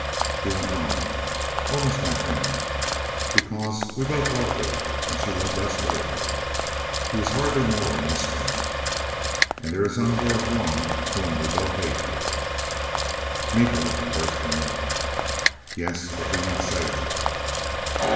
He went on, "Almost my friend. Because we both loved her, and she loved us both." He was hardly more than whispering. "And there is aboard one whom we both hate." "Miko!" It burst from me. "Yes. But do not say it."